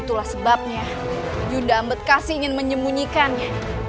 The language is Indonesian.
itulah sebabnya yuda ambekasi ingin menyembunyikannya